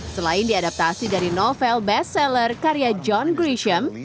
selain diadaptasi dari novel bestseller karya john grisham